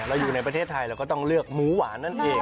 เราอยู่ในประเทศไทยเราก็ต้องเลือกหมูหวานนั่นเอง